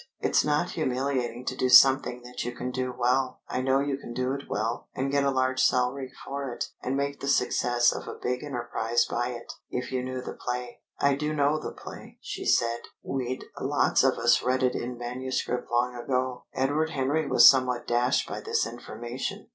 "It's not humiliating to do something that you can do well I know you can do it well and get a large salary for it, and make the success of a big enterprise by it. If you knew the play " "I do know the play," she said. "We'd lots of us read it in manuscript long ago." Edward Henry was somewhat dashed by this information.